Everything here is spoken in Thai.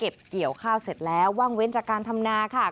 เก็บเกี่ยวข้าวเสร็จแล้วว่างเว้นจากการธรรมนาครับ